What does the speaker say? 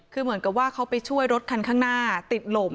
คือเหมือนกับว่าเขาไปช่วยรถคันข้างหน้าติดลม